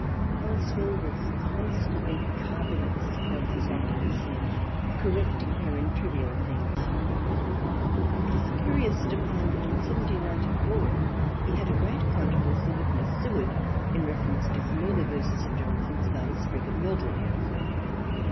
Boswell was constantly carping at Mrs. Piozzi's accuracy and correcting her in trivial things. It is curious to find that in 1794 he had a great controversy with Miss Seward in reference to some early verses of Johnson's about a Sprig of Myrtle.